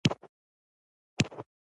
راځه چې یوځای کار وکړو.